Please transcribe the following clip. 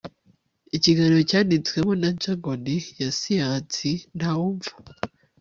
ikiganiro cyanditswemo na jargon ya siyansi ntawumva